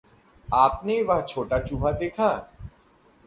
आपने वह छोटा चूहा देखा?